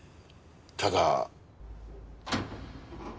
ただ。